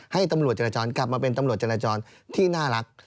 ให้ตำรวจจราจรกลับมาเป็นตำรวจจราจรที่น่ารัก